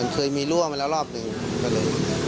เคยมีรั่วมาแล้วรอบหนึ่งไปเลย